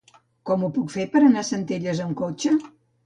Com ho puc fer per anar a Centelles amb cotxe?